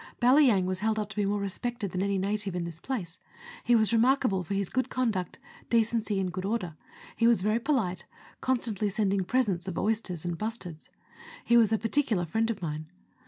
Balyang was held up to be more respected than any native in this place ; he was remarkable for his good conduct, decency, and good order ; he was very polite, con stantly sending presents of oysters and bustards. He was a par ticular friend of mine.